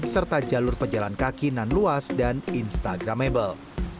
serta jalur pejalan kaki nan luas dan instagramable